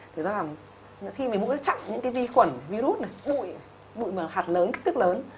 thì khi mũi nó chặn những vi khuẩn virus bụi bụi hạt lớn kích thước lớn